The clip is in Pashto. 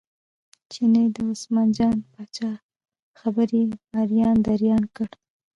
چیني د عثمان جان پاچا خبرې اریان دریان کړ.